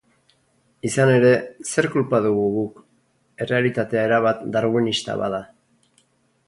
Izan ere, zer kulpa dugu guk, errealitatea erabat darwinista bada?